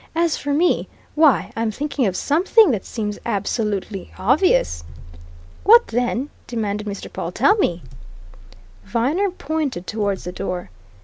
"As for me why, I'm thinking of something that seems absolutely obvious!" "What, then?" demanded Mr. Pawle. "Tell me!" Viner pointed towards the door.